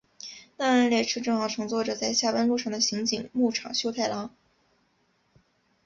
那辆列车正好乘坐着在下班路上的刑警木场修太郎。